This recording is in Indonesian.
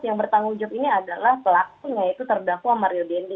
yang bertanggung jawab ini adalah pelakunya yaitu terdakwa mario dende